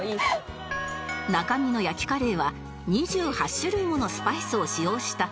中身の焼きカレーは２８種類ものスパイスを使用した本格派